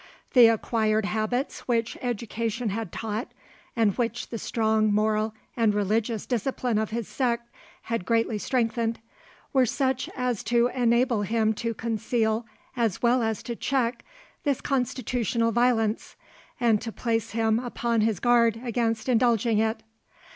The acquired habits which education had taught, and which the strong moral and religious discipline of his sect had greatly strengthened, were such as to enable him to conceal, as well as to check, this constitutional violence, and to place him upon his guard against indulging it.